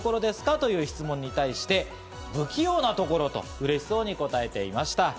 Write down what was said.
という質問に対して、不器用なところと、うれしそうに答えていました。